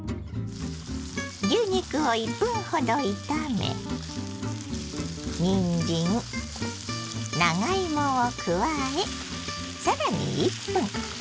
牛肉を１分ほど炒めにんじん長芋を加え更に１分。